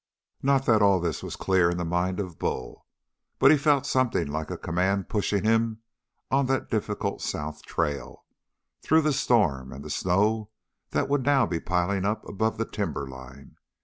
Not that all this was clear in the mind of Bull, but he felt something like a command pushing him on that difficult south trail, through the storm and the snow that would now be piling above the timberline.